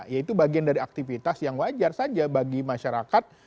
ya itu bagian dari aktivitas yang wajar saja bagi masyarakat